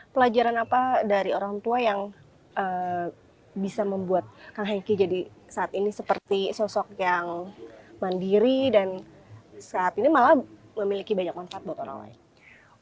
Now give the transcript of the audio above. pelajaran apa dari orang tua yang bisa membuat kang henki jadi saat ini seperti sosok yang mandiri dan saat ini malah memiliki banyak manfaat buat orang lain